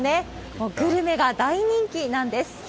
もうグルメが大人気なんです。